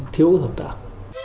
thiếu hợp tạc